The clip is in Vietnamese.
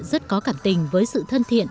rất có cảm tình với sự thân thiện